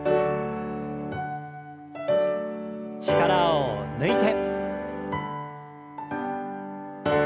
力を抜いて。